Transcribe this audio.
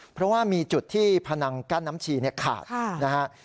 เพราะว่ามีจุดที่พนังกั้นน้ำชีขาดนะฮะ